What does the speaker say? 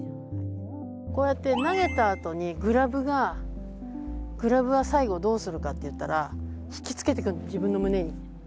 こうやって投げたあとにグラブは最後どうするかっていったら引きつけてくるの自分の胸に。